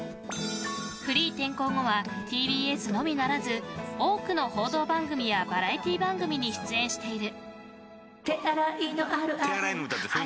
フリー転向後はＴＢＳのみならず多くの報道番組やバラエティー番組に出演している。